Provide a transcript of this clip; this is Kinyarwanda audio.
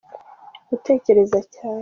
gutekereza cyane.